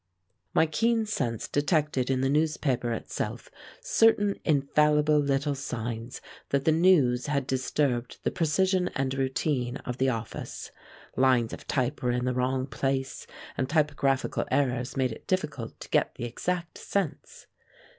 My keen sense detected in the newspaper itself certain infallible little signs that the news had disturbed the precision and routine of the office. Lines of type were in the wrong place, and typographical errors made it difficult to get the exact sense.